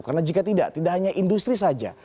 karena jika tidak tidak hanya industri saja